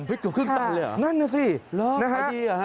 เกี่ยวครึ่งตังเลยหรอนั่นสิ